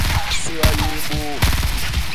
Sôya yéé i mbôô.